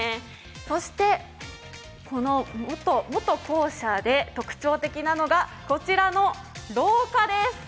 そして、この元校舎で特徴的なのがこちらの廊下です。